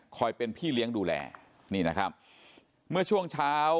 เป็นพี่เลี้ยงดูแลนี่นะครับเมื่อช่วงเช้า